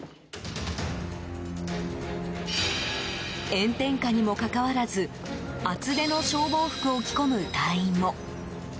炎天下にもかかわらず厚手の消防服を着込む隊員も。